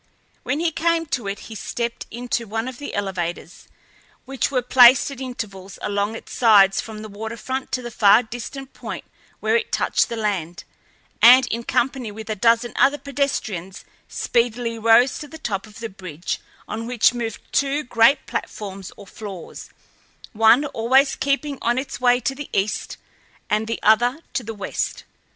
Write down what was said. When he came to it he stepped into one of the elevators, which were placed at intervals along its sides from the waterfront to the far distant point where it touched the land, and in company with a dozen other pedestrians speedily rose to the top of the bridge, on which moved two great platforms or floors, one always keeping on its way to the east, and the other to the west.